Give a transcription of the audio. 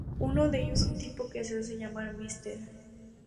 Uno de ellos, un tipo que se hace llamar Mr.